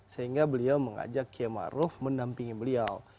sehingga beliau mengajak kiai maruf mendampingi beliau